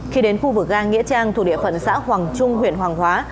khi đến khu vực ga nghĩa trang thuộc địa phận xã hoàng trung huyện hoàng hóa